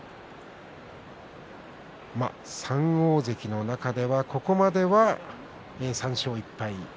３大関の中では、ここまでは３勝１敗。